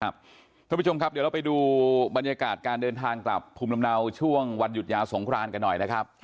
คุณผู้ชมครับเดี๋ยวเราไปดูบรรยากาศการเดินทางกลับภูมิลำเนาช่วงวันหยุดยาวสงครานกันหน่อยนะครับ